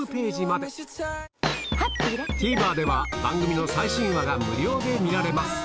ＴＶｅｒでは番組の最新話が無料で見られます